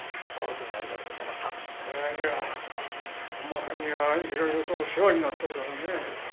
いやいや本間くんにはいろいろと世話になってるからね。